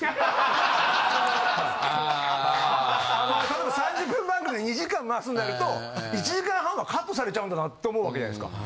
例えば３０分番組２時間回すとなると１時間半はカットされちゃうんだなと思うわけじゃないですか。